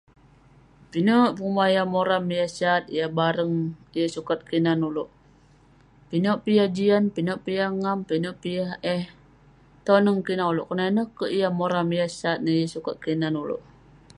Pinek penguman yah moram, yah sat, yah bareng ; yeng sukat kinan ulouk. Pinek peh yah jian, pineh peh yah ngam, pinek peh yah eh toneng kinan ulouk. Konak ineh kek yah moram yah sat neh, yeng sukat kinan ulouk.